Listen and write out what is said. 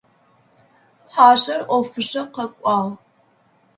Пхъашӏэр ӏофышӏэ къэкӏуагъ.